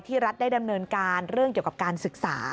รัฐได้ดำเนินการเรื่องเกี่ยวกับการศึกษา